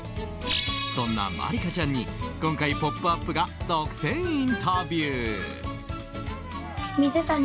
そんな茉莉花ちゃんに今回、「ポップＵＰ！」が独占インタビュー。